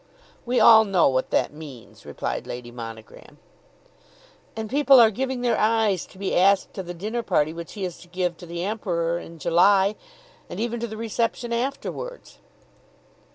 "We all know what that means," replied Lady Monogram. "And people are giving their eyes to be asked to the dinner party which he is to give to the Emperor in July; and even to the reception afterwards."